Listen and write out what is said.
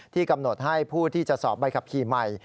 กำหนดให้ผู้ที่จะสอบใบขับขี่ใหม่